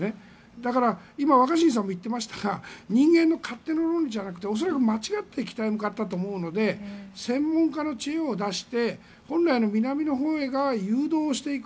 だから、今若新さんも言っていましたが人間の勝手な論理じゃなくて間違って北に向かったと思うので専門家の知恵を出して本来の南のほうへ誘導していく。